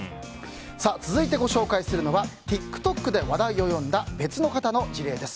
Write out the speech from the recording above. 続いてご紹介するのはＴｉｋＴｏｋで話題を呼んだ別の方の事例です。